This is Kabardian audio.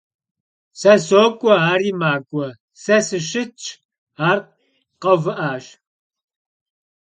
Se sok'ue — ari mak'ue; se sışıtş, ar kheuvı'aş.